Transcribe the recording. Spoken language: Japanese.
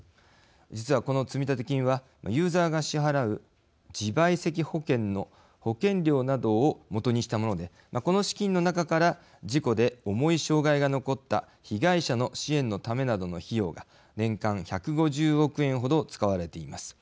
実は、この積立金はユーザーが支払う自賠責保険の保険料などをもとにしたものでこの資金の中から事故で重い障害が残った被害者の支援のためなどの費用が年間１５０億円程使われています。